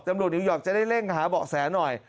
จำนวนนิวยอร์กจะได้เล่นหาเบาะแสหน่อย